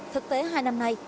thực tế hai năm nay